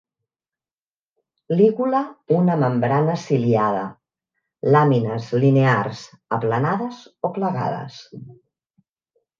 Lígula una membrana ciliada; làmines linears, aplanades o plegades.